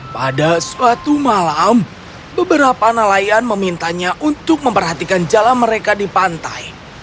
pada suatu malam beberapa nelayan memintanya untuk memperhatikan jalan mereka di pantai